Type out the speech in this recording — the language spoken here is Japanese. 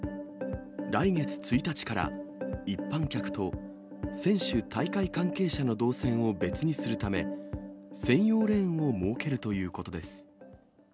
来月１日から、一般客と選手、大会関係者の動線を別にするため、専用レーンを設けるということです。